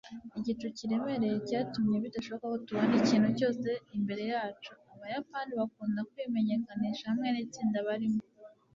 igicu kiremereye cyatumye bidashoboka ko tubona ikintu cyose imbere yacu. abayapani bakunda kwimenyekanisha hamwe nitsinda barimo